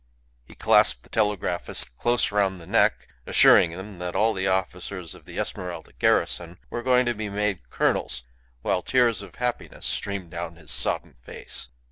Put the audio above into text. He clasped the telegraphist close round the neck, assuring him that all the officers of the Esmeralda garrison were going to be made colonels, while tears of happiness streamed down his sodden face.